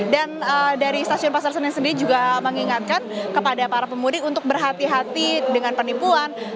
dan dari stasiun pasar senen sendiri juga mengingatkan kepada para pemudik untuk berhati hati dengan penipuan